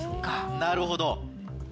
なるほど。